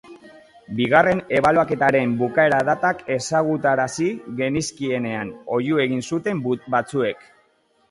Bigarren ebaluaketaren bukaera datak ezagutarazi genizkienean, ohiu egin zuten batzuek.